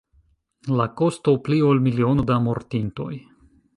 La kosto: pli ol miliono da mortintoj.